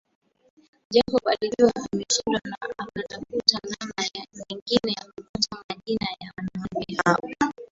Jacob alijua ameshindwa na akatafuta namna nyingine ya kupata majina ya wanawake hao